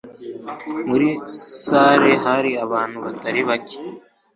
Muri salle hari abantu batari bake.